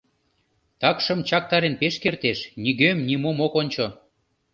Такшым чактарен пеш кертеш, нигӧм-нимом ок ончо.